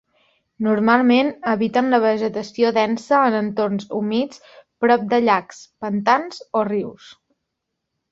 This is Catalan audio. Normalment habiten la vegetació densa en entorns humits prop de llacs, pantans o rius.